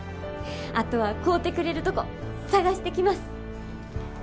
あとは買うてくれるとこ探してきます。